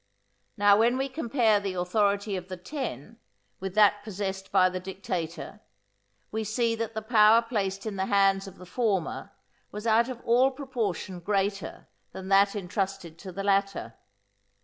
Now when we compare the authority of the Ten with that possessed by the dictator, we see that the power placed in the hands of the former was out of all proportion greater than that entrusted to the latter.